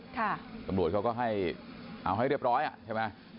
ตำรวจเขาก็ให้เอาให้เรียบร้อยอ่ะใช่ไหม